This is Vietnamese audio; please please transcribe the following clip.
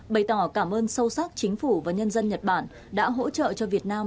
bày tỏ cảm ơn sâu sắc chính phủ và nhân dân nhật bản đã hỗ trợ cho việt nam